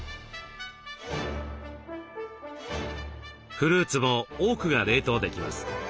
フルーツも多くが冷凍できます。